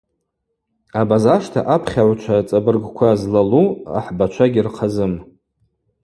Абазашта апхьагӏвчва цӏабыргква злалу ахӏбачва йгьырхъазым.